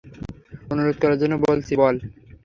অনুরোধ করার জন্য বলছি, বল।